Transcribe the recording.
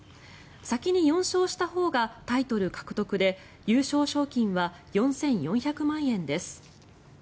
先に４勝したほうがタイトル獲得で優勝賞金は４４００万円です。